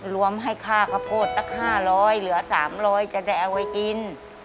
รวมให้ค่าข้าวโพดละค่าร้อยเหลือสามร้อยจะได้เอาไว้กิน